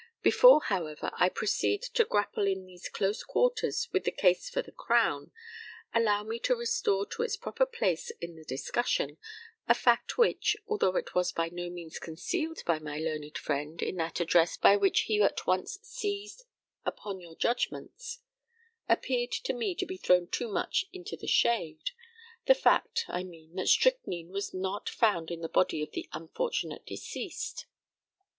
Before, however, I proceed to grapple in these close quarters with the case for the Crown, allow me to restore to its proper place in the discussion, a fact which, although it was by no means concealed by my learned friend in that address by which he at once seized upon your judgments, appeared to me to be thrown too much into the shade the fact, I mean, that strychnine was not found in the body of the unfortunate deceased.